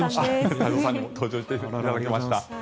太蔵さんにも登場していただきました。